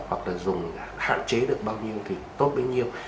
hoặc là dùng hạn chế được bao nhiêu thì tốt bao nhiêu